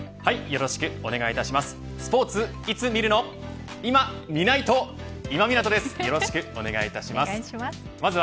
よろしくお願いします。